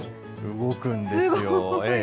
動くんですよ。